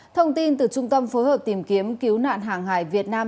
thông tin từ trung tâm phối hợp tìm kiếm cứu nạn hàng hải việt nam